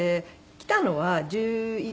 来たのは１２歳。